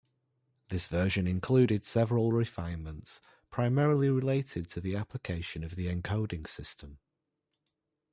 This version included several refinements, primarily related to the application of the encoding system.